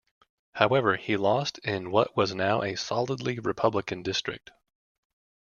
However, he lost in what was now a solidly Republican district.